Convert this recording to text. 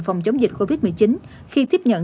phòng chống dịch covid một mươi chín khi tiếp nhận